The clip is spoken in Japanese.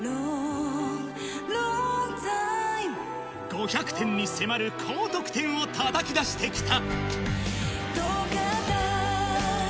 ５００点に迫る高得点をたたき出してきた。